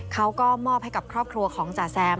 เขาก็มอบให้กับครอบครัวของจ๋าแซม